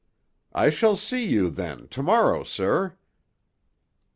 I shall see you, then, to morrow, sir."